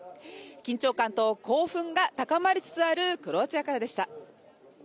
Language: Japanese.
緊張感と興奮が高まりつつあるクロアチアからでした。